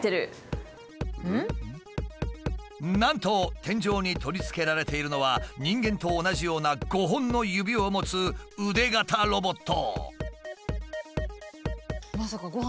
なんと天井に取り付けられているのは人間と同じような５本の指を持つ腕型ロボット。